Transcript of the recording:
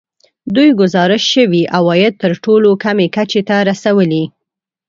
دوی ګزارش شوي عواید تر ټولو کمې کچې ته رسولي